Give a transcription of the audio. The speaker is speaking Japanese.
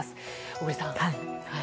小栗さん。